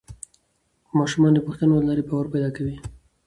ماشومان د پوښتنو له لارې باور پیدا کوي